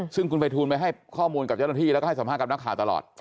ซึ่งคุณภัยทูลไปให้ข้อมูลกับเจ้าหน้าที่แล้วก็ให้สัมภาษณ์กับนักข่าวตลอด